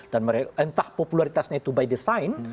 dan entah popularitasnya itu by design